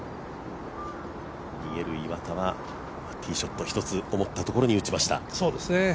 逃げる岩田はティーショット一つ、思ったところに打ちました。